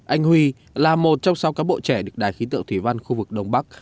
anh huy là một trong sáu cán bộ trẻ được đài khí tượng thủy văn khu vực đông bắc